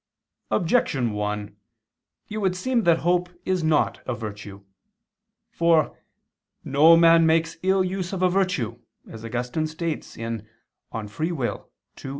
Objection 1: It would seem that hope is not a virtue. For "no man makes ill use of a virtue," as Augustine states (De Lib. Arb.